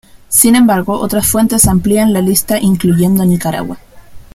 Sin embargo, otras fuentes amplían la lista incluyendo a Nicaragua.